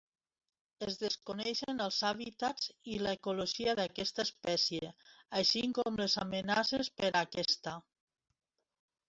Es desconeixen els hàbitats i l'ecologia d'aquesta espècie, així com les amenaces per a aquesta.